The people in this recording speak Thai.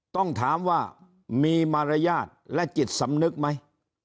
ต้องถามว่ามีมารยาทและจิตสำนึกไหม